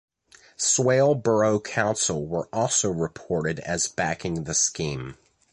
Swale Borough Council were also reported as backing the scheme.